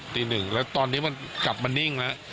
ตีหนึ่งแล้วตอนนี้มันกลับมานิ่งแล้ว